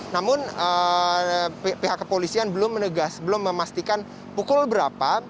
namun pihak kepolisian belum menegaskan belum memastikan pukul berapa